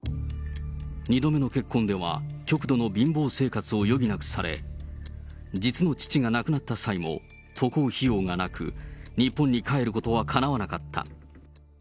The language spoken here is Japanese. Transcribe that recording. ２度目の結婚では、極度の貧乏生活を余儀なくされ、実の父が亡くなった際も渡航費用がなく、日本に帰ることはかなわなかった。